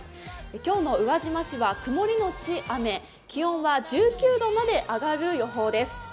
今日の宇和島市は曇りのち雨、気温は１９度まで上がる予報です。